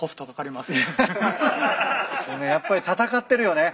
やっぱり戦ってるよね。